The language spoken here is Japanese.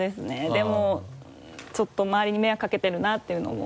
でもちょっと周りに迷惑かけてるなっていうのも。